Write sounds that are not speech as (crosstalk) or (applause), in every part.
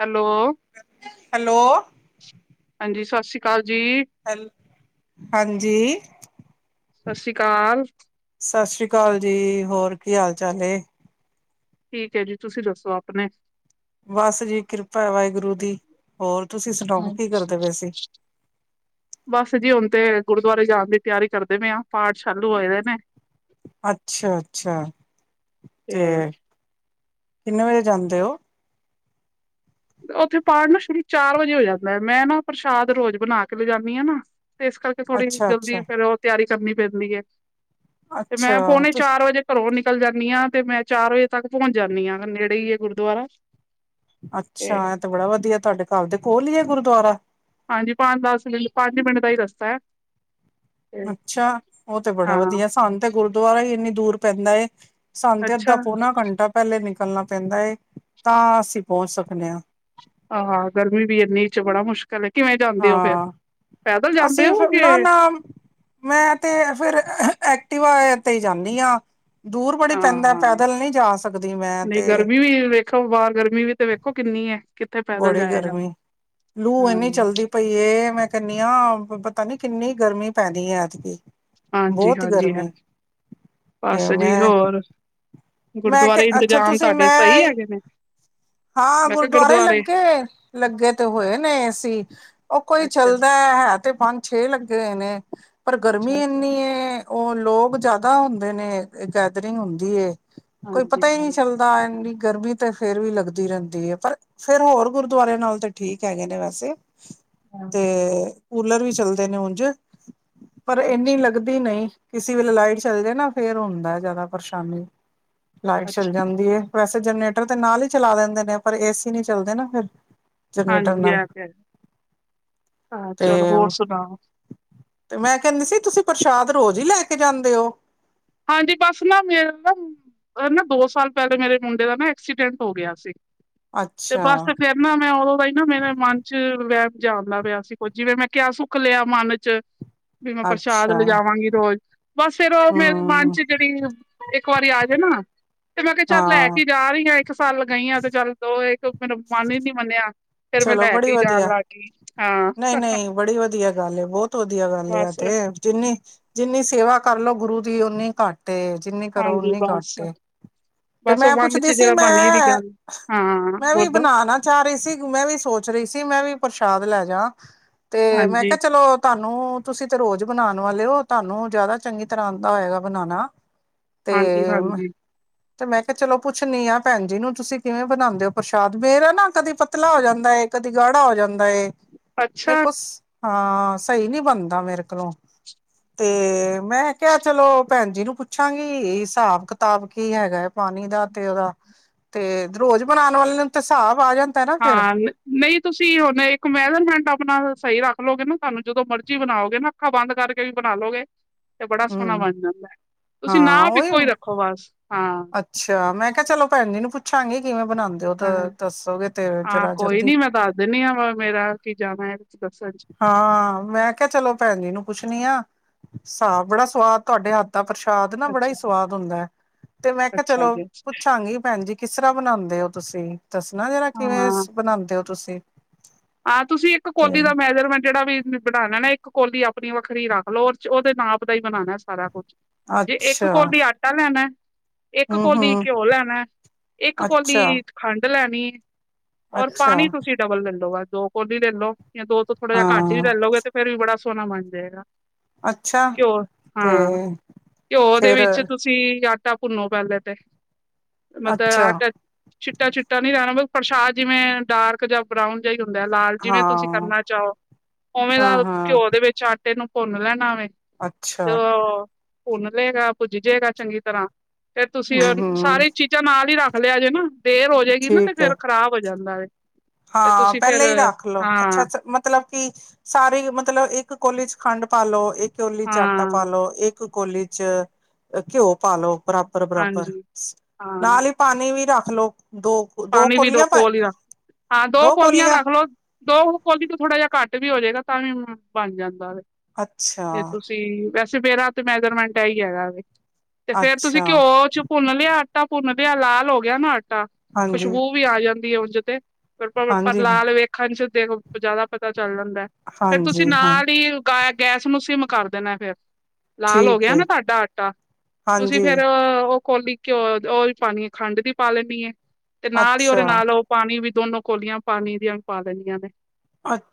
Hello, hello, ਹਾਂਜੀ ਸਤਿ ਸ਼੍ਰੀ ਅਕਾਲ ਜੀ। ਹੈਲ ਹਾਂਜੀ, ਸਤਿ ਸ਼੍ਰੀ ਅਕਾਲ, ਸਤਿ ਸ੍ਰੀ ਅਕਾਲ ਜੀ ਹੋਰ, ਕੀ ਹਾਲ ਚਾਲ ਐ? ਠੀਕ ਹੈ ਜੀ ਤੁਸੀਂ ਦੱਸੋ ਆਪਣੇ ਬਸ ਜੀ ਕਿਰਪਾ ਵਾਹਿਗੁਰੂ ਦੀ ਹੋਰ ਤੁਸੀਂ ਸੁਣਾਓ ਕੀ ਕਰਦੇ ਪਏ ਸੀ (inaudible) ਬਸ ਜੀ ਹੁਣ ਤੇ ਗੁਰਦੁਆਰੇ ਜਾਣ ਦੀ ਤਿਆਰੀ ਕਰਦੇ ਪਏ ਆ ਪਾਠ ਚਾਲੂ ਹੋਏ ਦੇ ਨੇ ਅੱਛਾ ਅੱਛਾ ਤੇ ਕਿੰਨੇ ਵਜੇ ਜਾਂਦੇ ਹੋ ਉੱਥੇ ਪਾਠ ਨਾ ਸ਼ੁਰੂ ਚਾਰ ਵਜੇ ਹੋ ਜਾਂਦਾ ਹੈ ਮੈਂ ਨਾ ਪ੍ਰਸ਼ਾਦ ਰੋਜ਼ ਬਣਾ ਕੇ ਲਿਜਦੀ ਹਾਂ ਨਾ ਤੇ ਇਸ ਕਰਕੇ ਥੋੜ੍ਹੀ ਅੱਛਾ ਜਲਦੀ ਅੱਛਾ ਫੇਿਰ ਉਹ ਤਿਆਰੀ ਕਰਨੀ ਪੈਂਦੀ ਏ ਤੇ ਮੈਂ ਅੱਛਾ ਪੌਣੇ ਤੁਸ ਚਾਰ ਵਜੇ ਘਰੋਂ ਨਿਕ ਚਲ ਜਾਂਦੀ ਹਾਂ ਤੇ ਮੈਂ ਚਾਰ ਵਜੇ ਤੱਕ ਪਹੁੰਚ ਜਾਂਦੀ ਹਾਂ ਨੇੜੇ ਹੀ ਹੈ ਗੁਰਦੁਆਰਾ ਅੱਛਾ ਇਹ ਤੇ ਬੜਾ ਵਧੀਆ ਤੁਹਾਡੇ ਘਰ ਦੇ ਕੋਲ ਹੀ ਹੈ ਗੁਰੂ (inaudible) ਹਾਂਜੀ ਪੰਜ ਦਸ ਮਿੰਟ ਪੰਜ ਮਿੰਟ ਦਾ ਹੀ ਰਸਤਾ ਹੈ ਅੱਛਾ ਉਹ ਤੇ ਬੜਾ ਹਾਂ ਵਧੀਆ ਸਾਨੂੰ ਤੇ ਗੁਰਦੁਆਰਾ ਹੀ ਇੰਨੀ ਦੂਰ ਪੈਂਦਾ ਏ ਸਾਨੂੰ ਤਾਂ ਅੱਧ ਅੱਛਾ ਪੋਣਾ ਘੰਟਾ ਪਹਿਲੇ ਨਿਕਲ ਨਿਕਲਣਾ ਪੈਂਦਾ ਹੈ ਤਾਂ ਅਸੀਂ ਪਹੁੰਚ ਸਕਦੇ ਹਾਂ ਆਹੋ ਗਰਮੀ ਵੀ ਇੰਨੀ ਚ ਬੜਾ ਮੁਸ਼ਕਿਲ ਹੈ ਕਿਵੇਂ ਜਾਂਦੇ ਹੋ ਫਿਰ ਹਾਂ ਪੈਦਲ ਜਾਂਦੇ ਅਸੀਂ ਹੋ ਫਿਰ ਕਿ ਨਾ ਨਾ ਮੈਂ ਤੇ ਫਿਰ ਟੀਵਾ ਤੇ ਜਾਂਦੀ ਹਾਂ ਦੂਰ ਬੜੀ ਪੈਂਦਾ ਹਾਂ-ਹਾਂ, ਪੈਦਲ ਨਹੀਂ ਜਾ ਸਕਦੀ ਮੈਂ ਨਹੀਂ ਤੇ ਗਰਮੀ ਵੀ ਵੇਖੋ, ਬਾਹਰ ਗਰਮੀ ਵੀ ਤੇ ਵੇਖੋ, ਕਿੰਨੀ ਹੈ। ਕਿੱਥੇ ਪੈਦਲ ਬੜੀ ਜਾਇਆ ਗਰਮੀ, ਜਾਂਦਾ ਲੂ ਹਾਂ ਇੱਨੀ ਚੱਲਦੀ ਪਈ ਏ, ਮੈਂ ਕਹਿੰਨੀ ਆਂ ਪਤਾ ਨੀ ਕਿੰਨੀ ਗਰਮੀ ਪੈਂਰੀ ਹੈ ਐਤ ਕੀ ਹਾਂਜੀ-ਹਾਂਜੀ ਹੈ, ਤੇ ਬਸ ਜੀ ਮੈਂ ਹੋਰ? ਮੈਂ ਗੁਰਦੁਆਰੇ ਕਿਹਾ, ਅੱਛਾ ਇੰਤਜ਼ਾਮ ਤੁਸੀਂ ਤੁਹਾਡੇ ਸਹੀ ਮੈਂ, ਹੈਗੇ ਨੇ ਹਾਂ ਮੈਂ ਕਿਹਾ ਗੁਰਦੁਆਰੇ ਲੱਗੇ, ਲੱਗੇ ਤੇ ਹੋਏ ਨੇ ਏਸੀਂ, ਉਹ ਕੋਈ ਅੱਛਾ ਚੱਲਦੈ ਹੈ ਤੇ ਪੰਜ ਛੇ ਲੱਗੇ ਨੇੇ ਪਰ ਗਰਮੀ ਅੱਛਾ ਅੱਛਾ ਏੱਨੀ ਹੈ। ਉਹ ਲੋਕ ਜਿਆਦਾ ਹੁੰਦੇ ਨੇ। ਗੈਦਰਿੰਗ ਹੁੰਦੀ ਏ। ਕੋਈ ਹਾਂਜੀ ਪਤਾ ਹੀ ਨਹੀਂ ਹਾਂਜੀ ਚੱਲਦਾ ਇਹ ਦੀ ਗਰਮੀ ਤੇ ਫੇਰ ਵੀ ਲੱਗਦੀ ਰਹਿੰਦੀ ਹੈ। ਪਰ ਫੇਰ ਹੋਰ ਗੁਰਦੁਆਰਿਆਂ ਨਾਲ ਤਾਂ ਠੀਕ ਹੈਗੇ ਨੇ ਵੈਸੇ। ਹਾਂ 'ਤੈ ਕੂਲਰ ਵੀ ਚੱਲਦੇ ਨੇ ਉਂਝ ਪਰ ਇੰਨੀ ਅੱਛਾ ਲੱਗਦੀ ਨਹੀਂ ਕਿਸੇ ਵੇਲੇ ਲਾਈਟ ਚੱਲ ਜਾ ਨਾ, ਫੇਰ ਹੁੰਦਾ ਜ਼ਿਆਦਾ ਪਰੇਸ਼ਾਨੀ ਲਾਈਟ ਚੱਲ ਅੱਛਾ ਜਾਂਦੀ ਏ, ਵੈਸੇ ਜਰਨੇ ਟਰ ਤੇ ਨਾਲ ਈ ਚਲਾ ਲੇਂਦੇ ਨੇ ਪਰ ਏਸੀ ਨੀ ਚੱਲਦੇ ਨਾ ਫੇਰ। ਹਾਂਜੀ ਐ ਤੇ ਹੈ, ਹਹ ਤੇ ਚਲੋ ਹੋਰ ਸੁਣਾਔ। ਤੇ ਮੈਂ ਕੇਂਦੀ ਸੀ ਤੁਸੀਂ ਪ੍ਰਸ਼ਾਦ ਰੋਜ਼ ਈ ਲੈ ਕੇ ਜਾਂਦੇ ਔ? ਹਾਂਜੀ! ! ਬਸ ਨਾ ਮੈਂ ਨਾ ਔ ਨਾ ਦੋ ਸਾਲ ਪੇਲੇ ਮੇਰੇ ਮੁੰਡੇ ਦਾ ਨਾ ਐਕਸੀਡੈਂਟ ਹੋ ਗਿਆ ਸੀ। ਤੇ ਅੱਛਾ ਬਸ ਫੇਰ ਨਾ ਮੈਂ ਔਦੋਂ ਦਾ ਈ ਨਾ ਮੇਰੇ ਮਨ ਚ ਵੈ ਜਿਹਾ ਆਂਦਾ ਪਿਆ ਸੀ ਕੁੱਝ ਜਿਵੇਂ ਮੈਂ ਕਿਆ ਸੁੱਖ਼ ਲਿਆ ਮਨ ਚ। ਵੀ ਮੈਂ ਪ੍ਰਸ਼ਾਦ ਅੱਛਾ ਲਿਜਾਵਾਂਗੀ ਰੋਜ। ਬਸ ਫੇਰ ਔ ਮੇਰ ਮਨ ਹਮ ਚ ਜੇੜੀ ਔ ਏ ਇੱਕ ਵਾਰੀ ਆ ਜੇ ਨਾ ਤੇ ਮੈਂ ਕਿਆ ਚੱਲ ਲੈ ਹਾਂ ਕੇ ਜਾ ਰਈ ਆਂ ਇੱਕ ਸਾਲ ਲਗਈ ਆਂ ਤੇ ਚੱਲ ਦੋ ਮੇਰਾ ਮਨ ਈ ਨੀ ਮੰਨਿਆ ਫੇਰ ਮੈਂ ਚਲੋ ਲੈ ਬੜੀ ਕੇ ਹੀ ਜਾਣ ਵਧੀਆ, ਲੱਗ ਗਈ ਹਾਂ ਨਈ-ਨਈ ਬੜੀ ਵਧੀਆ ਗੱਲ ਏ, ਬੌਤ ਵਧੀਆ ਗੱਲ ਏ ਐ ਬਸ ਤੇ। ਜਿੰਨੀ ਜਿੰਨੀ ਸੇਵਾ ਕਰਲੋ ਗੁਰੂ ਦੀ ਔਨੀ ਘੱਟ ਤੇ ਜਿੰਨੀ ਕਰੋ ਹਾਂਜੀ ਔਨੀ ਬਸ ਘੱਟ ਏ ਤੇ ਬਸ ਉਹ ਮੈਂ ਮਨ ਚ ਪੁੱਛਦੀ ਸੀ ਜਿਹੜਾ ਬਣ ਗਈ ਦੀ ਮੈਂ, ਗੱਲ ਹਾਂ ਮੈਂ ਵੀ ਬੋਲੋ ਬਣਾ ਨਾ ਚਾ ਰੀ ਸੀ। ਮੈਂ ਵੀ ਸੋਚ ਰਈ ਸੀ ਮੈਂ ਵੀ ਪ੍ਰਸ਼ਾਦ ਲੈ ਜਾਂ। ਤੇ ਮੈਂ ਹਾਂਜੀ ਕਿਆ ਚਲੋ ਤਾਨੂੰ ਤੁਸੀਂ ਤੇ ਰੋਜ਼ ਬਨਾਨ ਵਾਲੇ ਔ ਤਾਨੂੰ ਜਾਦਾ ਚੰਗੀ ਤਰ੍ਹਾਂ ਆਂਦਾ ਹੋਏਗਾ ਬਨਾਨਾ। ਹਾਂਜੀ-ਹਾਂਜੀ! ਤੇ ਮੈਂ ਕਿਆ ਚਲੋ ਪੁੱਛਨੀ ਆਂ ਭੈਨ ਜੀ ਨੂੰ ਤੁਸੀਂ ਕਿਵੇਂ ਬਨਾਂਦੇ ਔ ਪ੍ਰਸ਼ਾਦ? ਮੇਰਾ ਨਾ ਕਦੀ ਪਤ ਤਲਾ ਹੋ ਜਾਂਦਾ ਏ ਕਦੀ ਗਾੜਾ ਹੋ ਜਾਂਦ ਦਾ ਏ, ਮੈਂ ਅੱਛਾ ਕੁਛ ਹਾਂ ਸੀ ਨੀ ਬਨਦਾ ਮੇਰੇ ਕੋਲੋਂ ਤੇ ਮੈਂ ਕਿਆ ਚਲੋ ਭੈਨ ਜੀ ਨੂੰ ਪੁੱਛਾਂਗੀ ਹਿਸਾਬ-ਕਿਤਾਬ ਕੀ ਹੈਗਾ ਏ? ਪਾਨੀ ਦਾ ਤੇ ਔਦਾ, ਤੇ ਰੋਜ਼ ਬਨਾਨ ਵਾਲੇ ਨੂੰ ਤੇ ਹਿਸਾਬ ਆ ਜਾਂਦਾ ਐ। ਹਾਂ ਨ ਨਈ ਤੁਸੀਂ ਹੁਨ ਇੱਕ (unintelligible) ਆਪਨਾ ਸਈ ਰੱਖ ਲੌਗੇ ਨਾ ਤੁਆਨੂੰ ਜਦੋਂ ਮਰਜੀ ਬਨਾਔਗੇ ਨਾ ਅੱਖਾਂ ਬੰਦ ਕਰਕੇ ਵੀ ਬਾਨ ਲਔਗੇ। ਤੇ ਬੜਾ ਸੋਹਨਾ ਹਮ ਬਣ ਜਾਂਦੈ, ਤੁਸੀਂ ਹਾਂ ਨਾਪ ਉਹੀ ਇੱਕੋ ਈ ਰੱਖੋ ਬਸ। ਹਾਂ ਅੱਛਾ! ਮੈਂ ਕਿਹਾ ਚਲੋ ਭੈਨ ਜੀ ਨੂੰ ਪੁੱਛਾਂਗੀ। ਕਿਵੇਂ ਬਣਾਉਂਦੇ ਹੋ ਤਾਂ ਹਾਂ, ਦੱਸੋਗੇ ਤੇ ਹਾਂ ਜਰਾ ਕੋਈ ਜਲਦੀ ਨੀ ਮੈਂ ਦੱਸ ਦੇਨੀ ਆਂ ਮੇਰਾ ਕੀ ਜਾਣਾ ਦੱਸਣ ਚ ਹਾਂ ਮੈਂ ਕਿਆ ਚਲੋ ਭੈਨ ਜੀ ਨੂੰ ਪੁੱਛਨੀ ਆ ਸਾਗ ਬੜਾ ਸਵਾਦ ਤੁਆਡੇ ਹੱਥ ਪ੍ਰਸ਼ਾਦ ਨਾ ਬੜਾ ਈ ਅੱਛਾ ਸਵਾਦ ਹੁੰਦੈ। ਤੇ ਮੈਂ ਕਿਹਾ ਅੱਛਾ ਚਲੋ ਜੀ ਅੱਛਾ ਪੁੱਛਾਂਗੀ ਭੈਨ ਜੀ ਕਿਸ ਤਰ੍ਹਾਂ ਬਨਾਂਦੇ ਔ? ਤੁਸੀਂ ਦੱਸਨਾ ਜ਼ਰਾ, ਕਿਵੇਂ ਹਾਂ ਬਨਾਂਦੇ ਔ? ਤੁਸੀਂ ਹਾਂ ਤੁਸੀਂ ਇੱਕ ਤੇ ਕੋਲੀ ਦਾ ਮੈਜਰਮੈਂਟ ਜੇੜਾ ਵੀ ਬਣਾਨਾ ਨਾ ਇੱਕ ਕੋਲੀ ਆਪੀਨ ਵੱਖਰੀ ਰੱਖ ਲੋ, ਔਰ ਚ ਔਦੇ ਨਾਪ ਦਾ ਹੀ ਬਨਾਨਾ ਏ ਸਾਰਾ ਕੁੱਛ। ਜੇ ਇੱਕ ਅੱਛਾ ਕੋਲੀ ਆਟਾ ਲੈਨਾ ਇੱਕ ਹਮ ਕੋਲੀ ਹਮ ਘਿਓ ਲੈਨੈ, ਇੱਕ ਅੱਛਾ ਕੋਲੀ ਖੰਡ ਲੈਨੀ ਔਰ ਅੱਛਾ ਪਾਨੀ ਤੁਸੀਂ ਡਬਲ ਲੇ ਲੋ ਬਸ ਦੋ ਕੋਲੀ ਲੇ ਲੋ ਯਾਂ ਦੋ ਤੋਂ ਥੋੜਾ ਯਆ ਘਟ ਵੀ ਹਾਂ ਲੈਲੋਗੇ ਤੇ ਫੇਰ ਵੀ ਬੜਾ ਸੋਹਨਾ ਬਨ ਜਾਏਗਾ ਅੱਛਾ ਘਿਓ ਤੇ ਹਾਂ ਘਿਓ ਦੇ ਫਿਰ ਵਿੱਚ ਤੁਸੀਂ ਤਾਂ ਭੁਨੌ ਪੇਲੇ ਤੇ ਮਤਲਬ ਅੱਛਾ ਆਟਾ ਚਿੱਟਾ-ਚਿੱਟਾ ਨੀ ਰੈਨਾ ਬ ਪ੍ਰਸ਼ਾਦ ਜਿਵੇਂ ਡਾਰਕ ਜਾਂ ਬਰਾਊਨ ਜਿ ਹੀ ਹੁੰ, ਲਾਲ ਜਿਵੇਂ ਤੁਸੀਂ ਹਾਂ ਕਰਨਾ ਚਾਓ। ਉਵੇਂ ਦਾ ਹਾਂ ਹਾਂ ਘਿਓ ਦੇ ਵਿੱਚ ਆ ਐਨੂੰ ਭੁੰਨ ਲੈਣਾਵੇ ਅੱਛਾ ਭੁੰਨ ਲੇਗਾ ਭੁਜ ਜੇਗਾ ਚੰਗੀ ਤਰ੍ਹਾਂ ਤੇ ਹਮ ਤੁਸੀਂ, ਹਮ ਸਾਰੀ ਚੀਜ਼ਾਂ ਨਾਲ ਹੀ ਰੱਖ (unintelligible) ਦੇਰ ਹੋ ਜਾਏਗੀ ਨਾ, ਤੇ ਠੀਕ ਹੈ ਫੇਰ ਖ਼ਰਾਬ ਹੋ ਜਾਂਦਾ ਵ। ਹਾਂ ਪਹਿਲ ਹੀ ਰੱਖ ਲਓ। ਅੱਛਾ, ਹਾਂ ਮਤਲਬ ਕਿ ਸਾਰੇ ਮਤਲਬ ਇੱਕ ਕੋਲੀ ਚ ਖੰਡ ਪਾ ਲੋ, ਇੱਕ ਕੋਲੀ ਚ ਆਟਾ ਹਾਂ ਪਾਲੋ, ਇੱਕ ਕੋਲੀ ਚ ਘਿਓ ਪਾਲੋ ਬਰਾਬਰ ਬਰਾਬਰ, ਹਾਂਜੀ ਹਾਂ ਨਾਲ ਈ ਪਾਣੀ ਵੀ ਰੱਖ ਹੈਲੋ ਦੋ ਕੁ ਦੋ ਪਾਣੀ ਵੀ ਕੋਲੀਆਂ ਪਾਈ ਕੋਲ ਹਾਂ, ਦੋ ਕੌਲੀਆਂ ਰੱਖ ਲਓ। ਦੋ ਕੌਲੀ ਤੋਂ ਥੋੜਾ ਜਿਹਾ ਘੱਟ। ਵੀ ਹੋ ਜੇਗਾ ਤਾਂ ਵੀ ਬਨ ਜਾਂਦਾ ਵੇ। ਅੱਛਾ ਤੇ ਤੁਸੀਂ ਵੈਸ ਮੇਰਾ ਤੇ ਮੈਜਰਮੈਂਟ ਐ ਈ ਹੈਗਾ ਵੇ। ਤੇ ਫੇਰ ਤੁਸੀਂ ਅੱਛਾ ਘਿਓ ਚ ਭੁੰਨ ਲਿਆ ਆਟਾ ਭੁੰਨ ਲਿਆ ਲਾਲ ਹੋ ਗਿਆ ਨਾ ਆਟਾ ਹਾਂਜੀ ਖੁਸ਼ਬੂ ਵੀ ਆ ਜਾਂਦ ਉਂਜ ਤੇ ਫੇਰ ਪਰ ਹਾਂਜੀ ਲਾਲ ਵੇਖਣ ਚ ਦੇਖੋ ਜਾਦਾ ਪਤਾ। ਚੱਲ ਜਾਂਦੈ ਫੇਰ ਤੁਸੀਂ ਹਾਂਜੀ ਹਾਂ ਨਾਲ ਈ ਗਾ ਗੈਸ ਨੂੰ ਸਿਮ ਕਰ ਦੇਨੈ ਫੇਰ। ਲਾਲ ਹੋ ਠੀਕ ਗਿਆ ਹੈ ਨਾ ਤਾਡਾ ਆਟਾ ਤੁਸੀਂ ਹਾਂਜੀ ਫੇਰ ਔ। ਕੋਲੀ ਘਿਓ ਔ ਵੀ ਪਾਨੀ ਏ, ਖੰਡ ਦੀ ਪਾ ਲੈਨੀ ਏ। ਤੇ ਨਾਲ ਈ ਔਰੇ ਅੱਛਾ ਨਾਲ ਔ ਪਾਨੀ ਵੀ ਦੋਨੋ ਕੋਲੀਆਂ ਪਾਨੀ ਦੀਆਂ ਪਾ ਦੇਨੀਆ ਨੇ।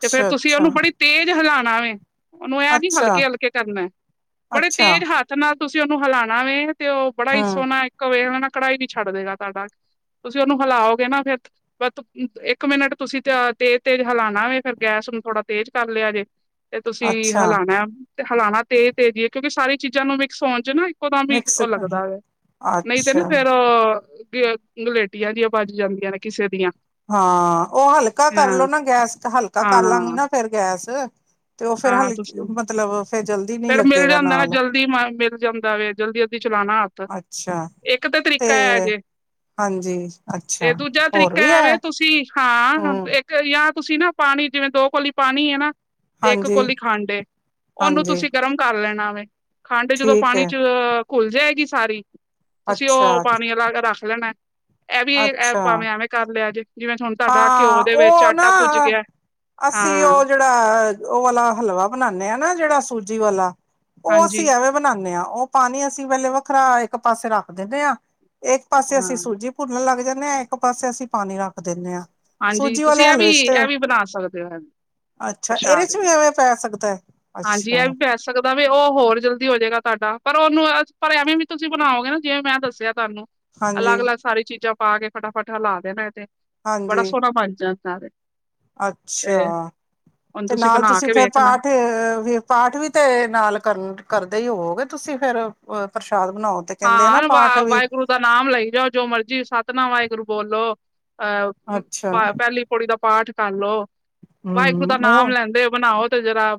ਤੇ ਫੇਰ ਤੁਸੀ ਅੱਛਾ ਔਨੂੰ ਬੜੀ ਤੇਜ ਹਿਲਾਨ (unintelligible) ਉਹਨੂੰ ਇਹ ਨੀ ਅੱਛਾ ਹਲਕੇ-ਹਲਕੇ ਕਰਨਾ, ਬੜੇ ਅੱਛਾ ਤੇਜ਼ ਹੱਥ ਨਾਲ ਤੁਸੀਂ ਉਹਨੂੰ ਹਲਾਣਾ ਵੇ ਤੇ ਉਹ ਬੜਾ ਹੀ ਹਮ ਸੋਹਣਾ ਇੱਕ ਵੇਲਣਾ ਕੜਾਈ ਵੀ ਛੱਡ ਦੇਗਾ ਤੁਹਾਡਾ। ਤੁਸੀਂ ਉਹਨੂੰ ਹਿਲਾਓਗੇ ਨਾ ਫੇਰ (unintelligible) ਇੱਕ ਮਿੰਟ ਤੁਸੀਂ ਤੇ ਤੇਜ਼-ਤੇਜ਼ ਹਿਲਾਣਾ ਵੇ ਫਿਰ ਗੈਸ ਨੂੰ ਥੋੜਾ ਤੇਜ਼ ਕਰ ਲਿਆ ਜੇ। ਤੇ ਤੁਸੀਂ ਅੱਛਾ ਹਲਾਣਾ ਤੇ ਹਲਾਣਾ ਤੇਜ਼-ਤੇਜ਼ੀ ਈ ਏ ਕਿਉਂਕਿ ਸਾਰੀ ਚੀਜ਼ਾਂ ਨੂੰ ਮਿਕਸ ਹੋਣ 'ਚ ਨਾ ਇੱਕੋ ਦਮ ਹੀ ਮਿਕਸ ਉਹ ਕਰ, ਲੱਗਦਾ ਵੇਂ, ਨਹੀਂ ਤੇ ਨਾ ਅੱਛਾ ਫੇਰ (unintelligible) ਗਲੇਟੀਆਂ ਦੀਆਂ ਬਣ ਜਾਂਦੀਆਂ ਨੇ ਕਿਸੇ ਦੀਆਂ ਹਾਂ ਉਹ ਹਲਕਾ ਹਾਂ ਕਰਲੋ ਨਾ ਗੈਸ ਹਲਕਾ ਕਰ ਲਾਂਗੀ ਹਾਂ ਨਾ ਫੇਿਰ ਗੈਸ, ਤੇ ਉਹ ਫਿਰ ਹਾਂ ਹਲਕੀ ਤੁਸੀਂ ਮਤਲਬ ਫਿਰ ਜਲਦੀ ਨੀ ਫੇਰ ਮਿਲ ਲੱਗੇਗਾ ਜਾਂਦਾ ਨਾ ਨਾਲ। ਜਲਦੀ ਮ- ਮਿਲ ਜਾਂਦਾ ਵੇ ਜਲਦੀ ਜਲਦੀ ਚਲਾਣਾ ਹੱਥ, ਅੱਛਾ ਇੱਕ ਤਾਂ ਤੇ ਤਰੀਕਾ ਹੈ ਜੇ ਹਾਂਜੀ ਅੱਛਾ ਤੇ ਦੂਜਾ ਹੋਰ ਤਰੀਕਾ ਵੀ ਐ ਹੈ ਵੇ ਤੁਸੀਂ ਹਾਂ ਹਮ ਇੱਕ ਜਾਂ ਤੁਸੀਂ ਨਾ ਪਾਣੀ ਜਿਵੇਂ ਦੋ ਕੋਲੀ ਪਾਣੀ ਹੈ ਨਾ ਤੇ ਇੱਕ ਹਾਂਜੀ ਕੋਲੀ ਖੰਡ ਐ ਉਹਨੂੰ ਹਾਂਜੀ ਤੁਸੀਂ ਗਰਮ ਕਰ ਲੈਣਾ। (unintelligible) ਖੰਡ ਜਦੋਂ ਠੀਕ ਪਾਣੀ ਹੈ 'ਚ ਘੁੱਲ ਜਾਏਗੀ ਸਾਰੀ ਤੁਸੀਂ ਉਹ ਅੱਛਾ ਪਾਣੀ ਅਲੱਗ ਰੱਖ ਲੈਣਾ। ਇਹ ਵੀ ਅੱਛਾ ਭਾਵੇਂ ਐਵੇਂ ਕਰ ਲਿਆ ਜੇ। ਜਿਵੇਂ ਹੁਣ ਤੁਹਾਡਾ ਘਿਓ ਹਾਂ, ਦੇ ਵਿੱਚ ਉਹ ਆਟਾ ਭੁੱਜ ਨਾ ਗਿਆ ਅਸੀਂ ਹਾਂ, ਉਹ ਜਿਹੜਾ ਉਹ ਵਾਲਾ ਹਲਵਾ ਬਣਾਨੇ ਆ ਨਾ ਜਿਹੜਾ ਸੂਜੀ ਵਾਲਾ। ਉਹ ਹਾਂਜੀ, ਅਸੀਂ ਐਵੇਂ ਬਣਾਨੇ ਆ। ਉਹ ਪਾਣੀ ਅਸੀਂ ਵੇਲੇ ਵੱਖਰਾ ਇੱਕ ਪਾਸੇ ਰੱਖ ਦਿੰਨੇ ਆ ਇੱਕ ਪਾਸੇ ਅਸੀਂ ਹਾਂ, ਸੂਜੀ ਭੁੰਨਣ ਲੱਗ ਜਾਨੇ ਜਾਂਨੇ ਆ ਇੱਕ ਪਾਸੇ ਅਸੀਂ ਪਾਣੀ ਰੱਖ ਦੀਨੇ ਆ। ਹਾਂਜੀ, ਤੁਸੀਂ ਇਹ ਵੀ ਇਹ ਵੀ ਬਣਾ ਸਕਦੇ ਹੋ ਇਹ ਅੱਛਾ ਇਹਦੇ ਪ੍ਰਸ਼ਾਦ, ਚ ਵੀ ਐਵੇਂ ਪੈ ਸਕਦਾ ਹੈ ਹਾਂਜੀ ਅੱਛਾ ਇਹ ਵੀ ਪੈ ਸਕਦਾ। ਉਹ ਹੋਰ ਜਲਦੀ ਹੋਜੇਗਾ ਤੁਹਾਡਾ ਪਰ ਉਹਨੂੰ ਪਰ ਐਵੇਂ ਵੀ ਤੁਸੀਂ ਬਣਾਓਗੇ ਨਾ ਜਿਵੇਂ ਮੈਂ ਦੱਸਿਆ ਤੁਹਾਨੂੰ ਹਾਂਜੀ ਅਲੱਗ-ਅਲੱਗ ਸਾਰੀ ਚੀਜ਼ਾਂ ਪਾ ਕੇ ਫਟਾਫਟ ਹਿਲਾ ਦੇਣਾ ਤੇ ਬੜਾ ਹਾਂਜੀ ਸੋਹਣਾ ਬਣ ਜਾਂ। ਆ ਦੇਖ ਅੱਛਾ! ਹੁਣ ਤੇ ਨਾਲ ਬਣਾ ਤੁਸੀਂ ਕੇ ਫੇਰ ਵੇਖਣਾ ਪਾਠ ਵੀ ਪਾਠ ਵੀ ਤੇ ਨਾਲ ਕਰਨ ਕਰਦੇ ਈ ਹੋਵੇ। ਤੁਸੀਂ ਫੇਰ ਅ ਪਰਸ਼ ਹਾਂ, ਵ ਵਾਹਿਗੁਰੂ ਦਾ ਨਾਮ ਲਈ ਜਾਔ ਜੋ ਮਰਜੀ ਸਤਨਾਮ ਵਾਹਿਗੁਰੂ ਬੋਲ ਲੌ। ਅੱਛਾ ਅ ਪੇਲੀ ਪੌੜੀ ਦਾ ਪਾਠ ਕਾਰਲੋ। ਵਹਿਗੁਰੂ ਦਾ ਹਮ ਨਾਮ ਉਹ ਲੈਂਦੇ ਹੋਏ ਬਨਾਓ। ਤੇ ਜਰਾ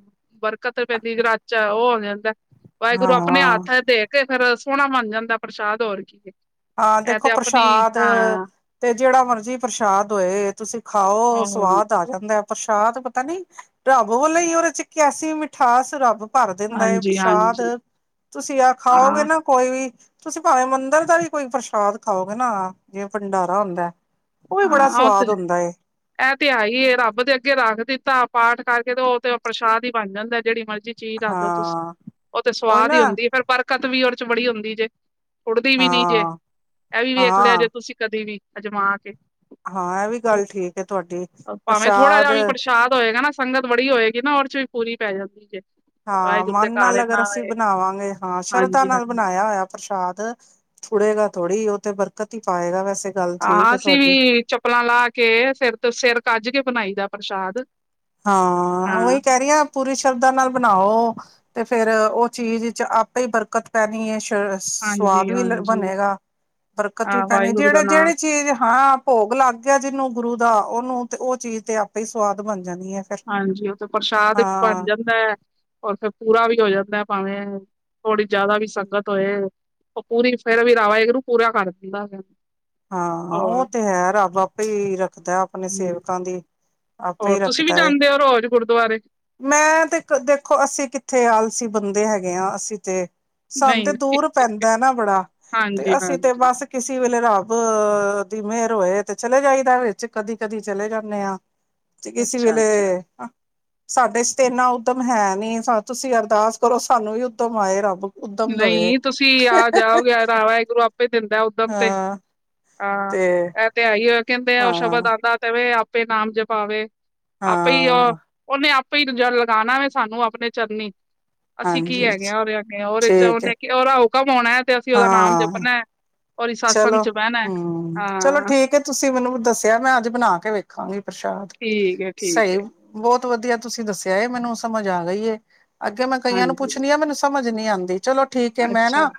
ਬਰਕਤ ਪੈਂਦੀ ਜਰਾ ਚ ਔ ਹੋ ਜਾਂਦੈ ਵਾਹਿਗੁਰੂ ਆਪੇਨ ਹਾਂ ਹੱਥ ਦੇ ਕੇ (unintelligible) ਸੋਨਾ ਬਨ ਜਾਂਦੈ ਪ੍ਰਸ਼ਾਦ। ਹੋਰ ਕੀ ਐ? ਹਾਂ, ਦੇਖੋ ਪ੍ਰਸ਼ਾਦ ਤੇ ਜੇੜਾ ਮਰਜੀ ਪ੍ਰਸ਼ਾਦ ਹੋਏ ਤੁਸੀਂ ਖਾਔ ਉਹ ਸਵਾਦ ਆ ਜਾਂਦੈ। ਪ੍ਰਸ਼ਾਦ ਪਤਾ ਨੀ, ਰੱਬ ਵੱਲੋਂ ਈ ਔਦੇ ਚ ਕੈਸੀ ਮਿਠਾਸ ਰੱਬ ਭਰ ਦਿੰਦਾ ਏ ਪ੍ਰਸ਼ਾਦ, ਹਾਂਜੀ-ਹਾਂਜੀ ਤੁਸੀਂ ਐ ਖਾਔਗੇ ਹਾਂ। ਨਾ ਕੋਈ ਵੀ ਤੁਸੀਂ ਭਾਵੇਂ ਮੰਦਿਰ ਦਾ ਵੀ ਕੋਈ ਪ੍ਰਸ਼ਾਦ ਖਾਔਗੇ ਨਾ ਜਿਵੇ ਭੰਡਾਰਾ ਹੁੰਦਾ। ਔ ਬੜਾ ਸਵਾਦ ਹੁੰਦਾ ਏ। ਐ ਤੇ ਹੈ ਈ ਏ, ਰੱਬ ਦੇ ਅੱਗੇ ਰੱਖ ਦਿੱਤਾ, ਪਾਠ ਕਰਕੇ ਤੇ ਔ ਤੇ ਪ੍ਰਸ਼ਾਦ ਈ ਬਨ ਜਾਂਦੈ ਜਿਹੜੀ ਮਰਜ ਜ ਚੀਜ਼ ਦਸਦੋ ਤੁਸੀ, ਹਾਂ ਔ ਤੇ ਉਹੀ ਸਵਾਦ ਨਾ ਈ ਹੁੰਦੀ ਏ ਫੇਰ ਬਰਕਤ ਵੀ ਉਹ ਚ ਬੜੀ ਹੁੰਦੀ ਜੇ। ਉੱਡਦੀ ਵੀ ਨੀ ਜੇ ਹਾਂ ਏ ਵੀ ਵੇਖ ਲਿਆ, ਜੇ ਹਾਂ ਤੁਸੀ ਕਦੀ ਵੀ। ਅਜਮਾ ਕੇ ਹਾਂ ਏ ਵੀ ਗੱਲ ਠੀਕ। ਹੈ ਤੁਹਾਡੀ ਭਾਵੇਂ ਥੋੜਾ ਜੇਆ ਵੀ ਪ੍ਰਸ਼ਾਦ ਪ੍ਰਸ਼ਾਦ ਹੋ ਹੋਏਗਾ, ਨਾ ਸੰਗਤ ਬੜੀ ਹੋਏਗੀ ਨਾ ਔਰੇ ਚ ਵੀ ਪੂਰੀ ਪੈ ਜਾਂਦੀ ਜੇ ਹਾਂ, ਵਾਹਿਗੁਰੂ ਦੇ ਮਨ ਘਰ ਨਾਲ ਇੰਨਾ ਅਗਰ ਅਸੀਂ ਏ ਬਨਾਵਾਂਗੇ, ਹਾਂ ਸ਼ਰਧਾ ਹਾਂਜੀ ਨਾਲ ਹਾਂਜੀ ਬਨਾਇਆ ਹੋਇਆ, ਪ੍ਰਸ਼ਾਦ ਥੁੜੇਗਾ ਥੋੜ੍ਹੀ ਔ ਤੇ ਬਰਕਤ ਹੀ ਪਾਏਗਾ, ਵੈਸ ਹਾਂ ਅਸੀਂ ਵੀ ਚੱਪਲਾਂ ਲਾ ਕੇ ਸਿਰ ਤੇ ਸਿਰ ਕੱਜ ਕੇ ਬਨਾਈ ਦਾ। ਪ੍ਰਸ਼ਾਦ ਹਾਂ, ਔਹੀ ਕਹਿ ਰੀ ਆਂ ਪੂਰੀ ਸ਼ਰਧਾ ਨਾਲ ਬਨਾਔ। ਤੇ ਫੇਰ ਔ ਚੀਜ਼ ਇਚ ਆਪੇ ਈ ਬਰਕਤ ਪੈਨੀ ਏ। ਹਾਂਜੀ ਸਵਾਦ ਵੀ ਹਾਂਜੀ ਬਨੇਗਾ, ਬਰਕਤ ਵੀ ਹਾਂ ਪੈਨੀ ਵਾਹਿਗੁਰੂ ਦਾ ਨਾਂ ਜੇੜੇ-ਜੇੜੀ ਚੀਜ਼, ਹਾਂ। ਭੋਗ ਲੱਗ ਗਿਆ ਜਿਨੂੰ ਗੁਰੂ ਦਾ ਔਨੂੰ ਤੇ ਔ ਚੀਜ਼ ਤੇ ਆਪੇ ਈ ਸਵਾਦ ਬਨ ਹਾਂਜੀ, ਉਹ ਤੇ ਪ੍ਰਸ਼ਾਦ (unintelligible) ਬਣ ਜਾਂਦਾ ਹੈ। ਰ ਫੇਰ ਪੂਰਾ ਵੀ ਹੋ ਜਾਂਦਾ ਭਾਵੇਂ, ਥੋੜੀ ਜਿਆਦਾ ਵੀ ਸੰਗਤ ਹੋਏ ਉਹ ਪੂਰੀ ਫੇਰ ਵੀ ਵਾਹਿਗੁਰੂ ਪੂਰਾ ਕਰ ਦਿੰਦਾ। ਹਾਂ, ਹੋਰ ਉਹ ਤੇ ਹੈ, ਰੱਬ ਆਪੇ ਰੱਖਦਾ ਆਪਣੇ ਹਮ ਸੇਵਕਾਂ ਦੀ। ਆਪੇ ਹੋਰ ਹੀ ਤੁਸੀਂ ਵੀ ਰੱਖਦਾ ਏ ਜਾਂਦੇ ਹੋ ਰੋਜ। ਰੋਜ ਗੁਰਦੁਆਰੇ ਮੈਂ ਤੇ ਦੇਖੋ ਅਸੀਂ ਕਿੱਥੇ ਆਲਸੀ ਬੰਦੇ ਹੈਗੇ ਹਾਂ, ਅਸੀਂ ਤੇ ਸਾਨੂੰ ਨਹੀਂ ਤੇ ਦੂਰ ਪੈਂਦਾ ਨਾ ਬੜਾ ਤੇ ਹਾਂਜੀ ਅਸੀਂ ਤੇ ਹਾਂਜੀ ਬਸ ਕਿਸੇ ਵੇਲੇ ਰਾ ਵਾਹੇ ਦੀ ਮੇਰ ਹੋਏ, ਤੇ ਚਲੇ ਜਾਈਦਾ ਵਿੱਚ ਕਦੀ-ਕਦੀ ਚਲੇ ਜਾਂਦੇ ਆ। ਜੇ ਕਿਸੀ ਵੇਲੇ ਅੱਛਾ-ਅੱਛਾ, ਸਾਡੇ ਚ ਤੇ ਇੰਨਾ ਉੱਦਮ ਹੈ, ਨੀ ਤੁਸੀਂ ਅਰਦਾਸ ਕਰੋ, ਸਾਨੂੰ ਵੀ ਉੱਦਮ ਆਏ ਰੱਬ ਉੱਦਮ ਦੇਵੇ ਨਹੀਂ ਤੁਸੀਂ ਆ ਜਾਓਗੇ, ਵਾਹਿਗੁਰੂ ਆਪੇ ਦਿੰਦਾ ੳ ਦਮ ਤੇ ਹਾਂ ਹਾਂ ਤੇ ਇਹ ਤੇ ਆਈ। ਕਹਿੰਦੇ ਆ ਉਹ ਸ਼ਬਦ ਹਾਂ ਆਦਾ ਤੇਵੇ ਆਪ ਤੇ ਨਾਮ ਜਪਾਵੇ ਆਪਈ ਹਾਂ ਉਹਨੇ ਆਪ ਫਰੀ ਲਗਾਉਣਾ ਵੇ ਸਾਨੂੰ ਆਪਣੇ ਚਰਨੀ। ਅਸੀਂ ਕੀ ਹਾਂਜੀ ਹੈਗੇ ਹਾਂ ਉਹਦੇ ਆਗੇ ਹੋ ਚ ਠੀਕ ਹੈ ਉਹਨ ਕਿ ਉਹ ਉਣਾ ਹੈ ਤੇ ਅਸੀਂ ਉਹਦਾ ਨਾਮ ਹਾਂ ਜਪਣਾ ਹੈ। ਉਹਦੀ ਸਤਸੰਗ ਚਲੋ, ਚ ਬਹਿਣਾ। ਹੈ। ਹੂੰ ਚਲੋ ਹਾਂ ਠੀਕ ਹੈ ਤੁਸੀਂ ਮੈਨੂੰ ਦੱਸਿਆ ਮੈਂ ਅੱਜ ਬਣਾ ਕੇ ਵੇਖ ਖਾਂ ਪ੍ਰਸ਼ਾਦ ਠੀਕ ਹੈ ਠੀਕ ਸਹੀ ਹੈ ਬਹੁਤ ਬਹੁਤ ਵਧੀਆ ਤੁਸੀਂ ਦੱਸਿਆ ਮੈਨੂੰ ਸਮਝ ਆ ਗਈ। ਅੱਗੇ ਮੈਂ ਕਈਆਂ ਨੂੰ ਹਾਂਜੀ ਪੁੱਛਣੀ ਆ ਮੈਨੂੰ ਸਮਝ ਨਹੀਂ, ਆਂਦੀ ਚਲੋ। ਠੀਕ ਹੈ ਮੈਂ ਅੱਛਾ ਨਾ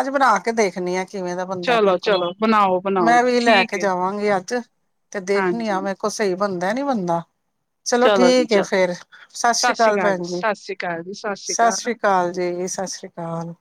ਅੱਜ ਬਣਾ ਕੇ ਦੇਖਨੀ ਆ ਕਿਵੇਂ ਬੰਦਾ ਮੇਰੇ ਕੋਲੋਂ ਚਲੋ-ਚਲੋ ਬਣਾਓ-ਬਣਾਓ ਮੈਂ ਜੀ ਵੀ ਲੈ ਠੀਕ ਕੇ ਹੈ ਜੀ, ਜਾਵਾਂਗੀ ਅੱਜ ਤੇ ਦੇਖਣੀ ਆ ਹਾਂਜੀ ਮੈਰੇ ਕੋਲੋ ਸਹੀ ਬੰਦਾ ਨੀ ਬੰਦਾ। ਚਲੋ ਜੀ ਠੀਕ ਹੈ, ਚਲੋ ਫਿਰ ਸਤਿ ਸ੍ਰੀ ਅਕਾਲ ਭੈਣ ਜੀ, ਸਤਿ ਸ੍ਰੀ ਅਕਾਲ ਜੀ, ਸਤਿ ਸ੍ਰੀ ਅਕਾਲ।